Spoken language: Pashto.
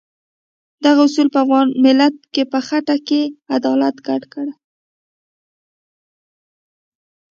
دغه اصول په افغان ملت په خټه کې عدالت ګډ کړی.